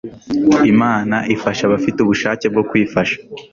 imana ifasha abafite ubushake bwo kwifasha